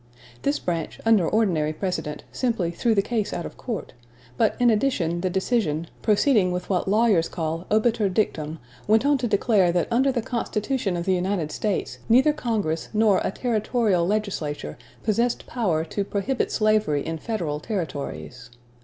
This branch, under ordinary precedent, simply threw the case out of court; but in addition, the decision, proceeding with what lawyers call obiter dictum, went on to declare that under the Constitution of the United States neither Congress nor a territorial legislature possessed power to prohibit slavery in Federal Territories.